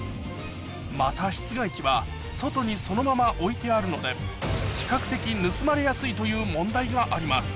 また室外機は外にそのまま置いてあるので比較的という問題があります